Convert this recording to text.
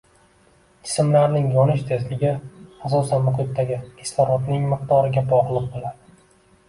Jismlarning yonish tezligi asosan muxitdagi kislorodning miqdoriga bog’liq bo'ladi